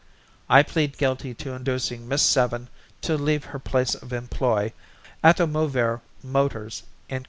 I plead guilty to inducing Miss Seven to leave her place of employ, Atomovair Motors, Inc.